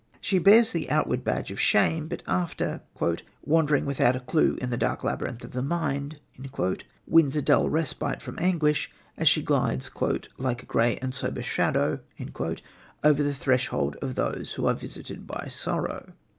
She bears the outward badge of shame, but after "wandering without a clue in the dark labyrinth of mind," wins a dull respite from anguish as she glides "like a grey and sober shadow" over the threshold of those who are visited by sorrow.